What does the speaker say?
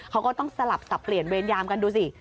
เขาก็ต้องสลับสับเปลี่ยนเวรยามกันดูสิ